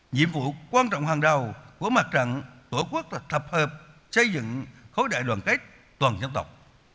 nhiệm vụ quan trọng hàng đầu của mặt trận tổ quốc là thập hợp xây dựng khối đại đoàn kết toàn dân tộc